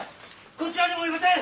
こちらにもいません！